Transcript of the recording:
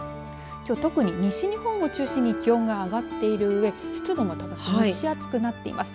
きょう特に西日本を中心に気温が上がっているうえ湿度も高く蒸し暑くなっています。